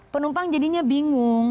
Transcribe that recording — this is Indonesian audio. penumpang jadinya bingung